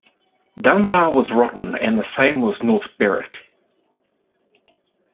Dunbar was Rotten and the same was North Berwick.